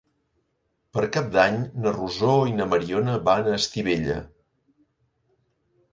Per Cap d'Any na Rosó i na Mariona van a Estivella.